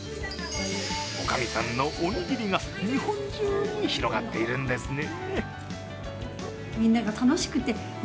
おかみさんのおにぎりが日本中に広がっているんですね